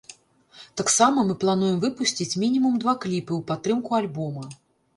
Таксама мы плануем выпусціць мінімум два кліпы ў падтрымку альбома.